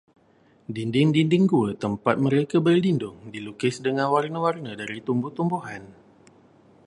Dinding-dinding gua tempat mereka berlindung dilukis dengan warna-warna dari tumbuh-tumbuhan.